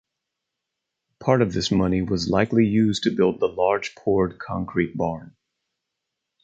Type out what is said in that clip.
Part of this money was likely used to build the large poured concrete barn.